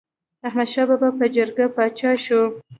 احمد شاه بابا په جرګه پاچا شو.